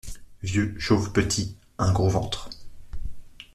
Vieux, chauve, petit, un gros ventre !